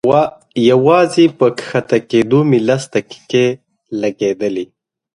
يوازې په کښته کېدو مې لس دقيقې لګېدلې.